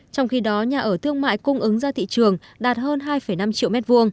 trong khi đó nhà ở thương mại cung ứng ra thị trường đạt hơn hai năm triệu m hai